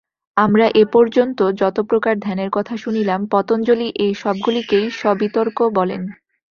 আমরা এ পর্যন্ত যত প্রকার ধ্যানের কথা শুনিলাম, পতঞ্জলি এ-সবগুলিকেই সবিতর্ক বলেন।